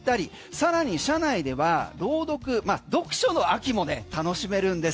さらに車内では読書の秋もね楽しめるんです。